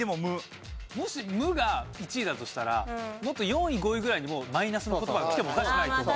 もし「無」が１位だとしたらもっと４位５位ぐらいにマイナスの言葉がきてもおかしくないと思う。